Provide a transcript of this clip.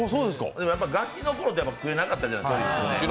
でもやっぱりガキの頃って食えなかったじゃないですか。